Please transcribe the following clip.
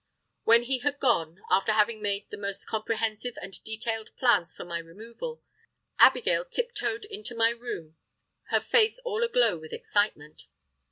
When he had gone, after having made the most comprehensive and detailed plans for my removal, Abigail tiptoed into my room, her face all aglow with excitement.